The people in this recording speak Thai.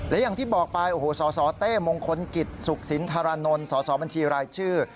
และอย่างที่บอกไปโอ้โหสสเต้มงคลกิจสุขสินธารานนท์สสบัญชีรายชื่อ